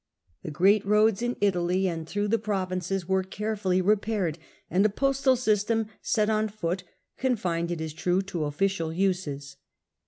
^ The great roads in Italy and through the provinces were carefully repaired, and a postal system set on foot, confined, it is true, to official uses.